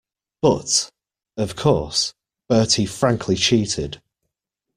But, of course, Bertie frankly cheated.